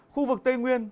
khu vực tây nguyên